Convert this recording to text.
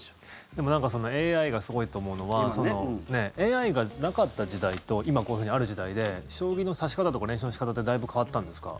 でもそのＡＩがすごいと思うのはＡＩがなかった時代と今こういうふうにある時代で将棋の指し方とか練習の仕方ってだいぶ変わったんですか？